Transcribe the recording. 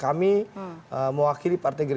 kami mewakili partai gita